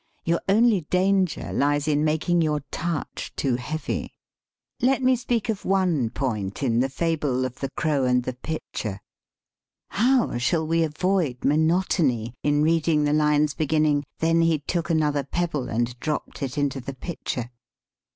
Your only danger lies in making your touch too heavy. Let me speak of one point in the fable of "The Crow and the Pitcher." How shall we avoid monotony in reading the lines beginning, "Then he took another pebble and dropped it into the pitcher